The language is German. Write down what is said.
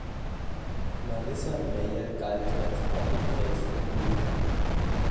Marissa Mayer galt als „public face“ von Google.